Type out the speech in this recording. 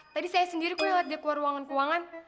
tadi saya sendiri gue lihat dia keluar ruangan ruangan